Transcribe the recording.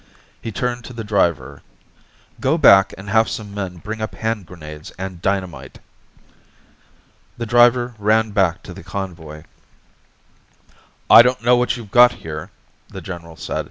He turned to the driver. "Go back and have some men bring up hand grenades and dynamite." The driver ran back to the convoy. "I don't know what you've got here," the general said.